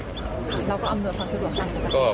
แล้วก็อำนวยความสะดวกครับ